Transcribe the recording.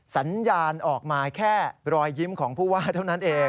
สัญญาณออกมาแค่รอยยิ้มของผู้ว่าเท่านั้นเอง